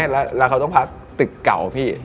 นอนได้พี่